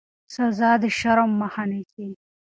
سزا د شر مخه نیسي